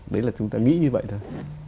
đấy là chúng ta nghĩ như vậy thôi